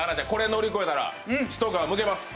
乗り越えたら、一皮むけます。